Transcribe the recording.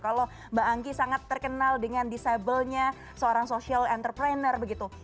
kalau mbak angki sangat terkenal dengan disabelnya seorang social entrepreneur begitu